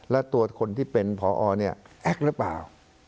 แล้วตัวคนที่เป็นเนี้ยรึเปล่า